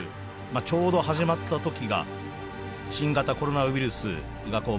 ちょうど始まった時が新型コロナウイルスがまん延。